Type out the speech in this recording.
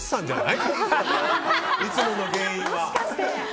いつもの原因は。